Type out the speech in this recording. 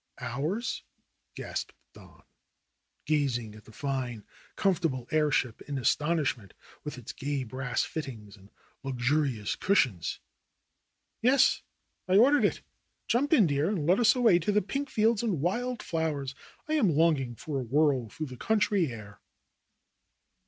^'^Ours I" gasped Don, gazing at the fine, comfortable airship in astonishment, with its gay brass fittings and luxurious cushions. "Yes, I ordered it. Jump in, dear, and let us away to the pink fields and wild flowers. I am longing for a whirl through the country air."